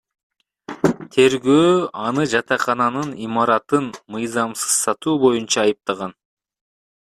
Тергөө аны жатакананын имаратын мыйзамсыз сатуу боюнча айыптаган.